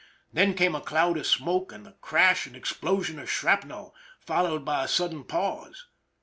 Then came a cloud of smoke and the crash and explosion of shrapnel, followed by a sudden pause.